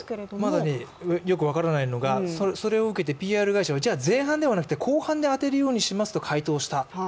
まだよく分からないのがそれを受けてＰＲ会社はじゃあ、前半ではなくて後半で当てるようにしますと回答した。